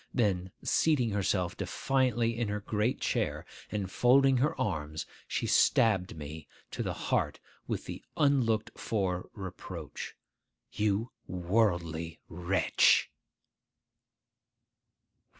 Then seating herself defiantly in her great chair, and folding her arms, she stabbed me to the heart with the unlooked for reproach, 'You worldly wretch!